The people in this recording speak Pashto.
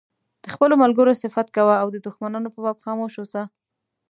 د خپلو ملګرو صفت کوه او د دښمنانو په باب خاموش اوسه.